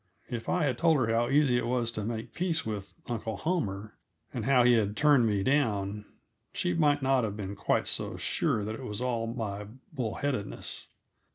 (If I had told her how easy it was to make peace with "Uncle Homer," and how he had turned me down, she might not have been quite so sure that it was all my bull headedness.)